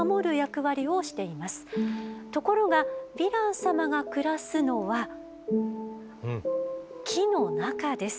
ところがヴィラン様が暮らすのは木の中です。